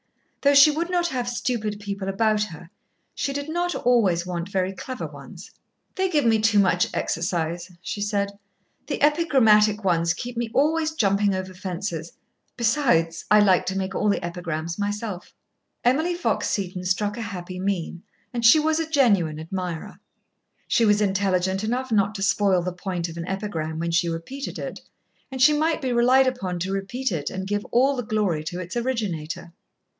Though she would not have stupid people about her, she did not always want very clever ones. "They give me too much exercise," she said. "The epigrammatic ones keep me always jumping over fences. Besides, I like to make all the epigrams myself." Emily Fox Seton struck a happy mean, and she was a genuine admirer. She was intelligent enough not to spoil the point of an epigram when she repeated it, and she might be relied upon to repeat it and give all the glory to its originator.